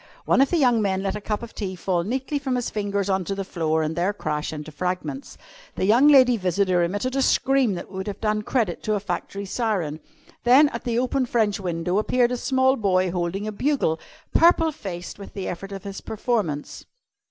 One of the young men let a cup of tea fall neatly from his fingers on to the floor and there crash into fragments. The young lady visitor emitted a scream that would have done credit to a factory siren. Then at the open French window appeared a small boy holding a bugle, purple faced with the effort of his performance.